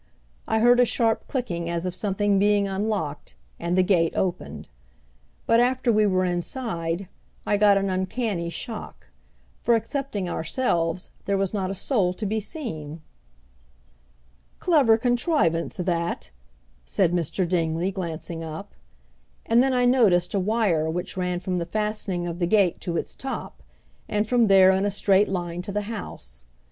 I heard a sharp clicking as of something being unlocked, and the gate opened. But after we were inside I got an uncanny shock, for excepting ourselves there was not a soul to be seen. "Clever contrivance that," said Mr. Dingley, glancing up. And then I noticed a wire which ran from the fastening of the gate to its top, and from there in a straight line to the house.